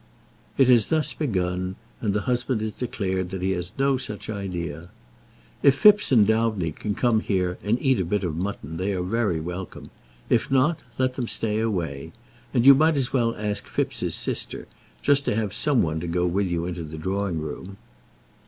It has thus begun, and the husband has declared that he has no such idea. "If Phipps and Dowdney can come here and eat a bit of mutton, they are very welcome; if not, let them stay away. And you might as well ask Phipps's sister; just to have some one to go with you into the drawing room."